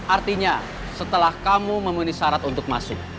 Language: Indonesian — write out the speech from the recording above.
artinya setelah kamu memenuhi syarat untuk masuk